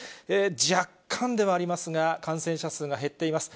若干ではありますが、感染者数が減っています。